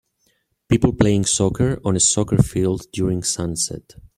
People playing soccer on a soccer field during sunset